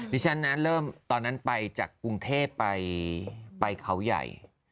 ดิฉันนะเริ่มตอนนั้นไปจากกรุงเทพไปเขาใหญ่